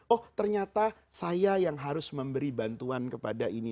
oh ternyata saya yang harus memberi bantuan kepada ini